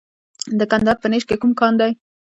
د کندهار په نیش کې کوم کان دی؟